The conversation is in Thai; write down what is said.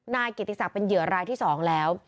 น่ากิติศัพท์เป็นเหยื่อรายที่สองแล้ว